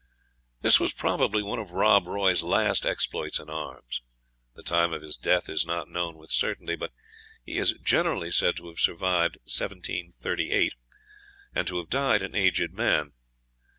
This was probably one of Rob Roy's last exploits in arms. The time of his death is not known with certainty, but he is generally said to have survived 1738, and to have died an aged man.